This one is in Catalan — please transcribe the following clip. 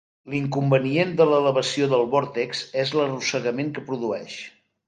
L'inconvenient de l'elevació del vòrtex és l'arrossegament que produeix.